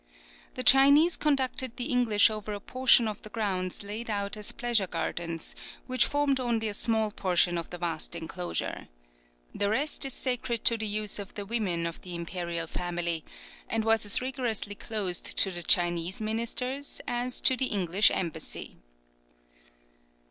] The Chinese conducted the English over a portion of the grounds laid out as pleasure gardens, which formed only a small portion of the vast enclosure. The rest is sacred to the use of the women of the imperial family, and was as rigorously closed to the Chinese ministers as to the English embassy.